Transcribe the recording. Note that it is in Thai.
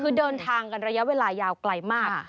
คือเดินทางกันระยะเวลายาวไกลมาก